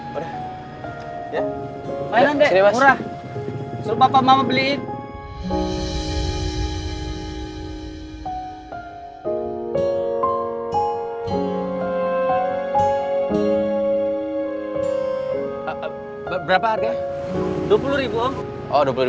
berapa harga rp dua puluh